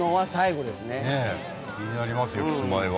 意味ありますよ、キスマイは。